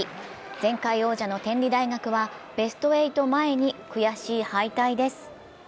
前回王者の天理大学はベスト８前に悔しい敗退です。